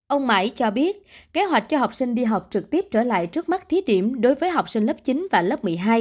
ông mãi cho biết kế hoạch cho học sinh đi học trực tiếp trở lại trước mắt thí điểm đối với học sinh lớp chín và lớp một mươi hai